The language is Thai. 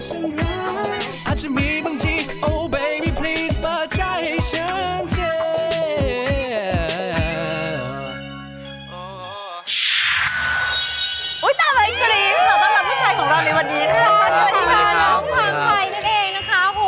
สวัสดีครับสวัสดีครับสวัสดีครับ